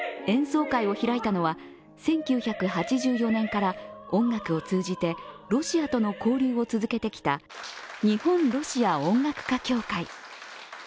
演奏会を開いたのは１９８４年から音楽を通じてロシアとの交流を続けてきた日本・ロシア音楽家協会。